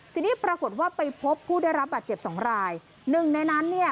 ทีนี้ปรากฏว่าไปพบผู้ได้รับบาดเจ็บสองรายหนึ่งในนั้นเนี่ย